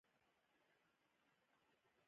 هېواد له سیندونو جوړ دی